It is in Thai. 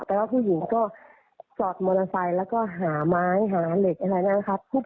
แต่ว่าผู้หญิงก็จอดมอเตอร์ไซค์แล้วก็หาไม้หาเหล็กอะไรนะครับ